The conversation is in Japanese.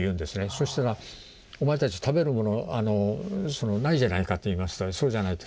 「そしたらお前たち食べるものないじゃないか」と言いましたら「そうじゃない」と。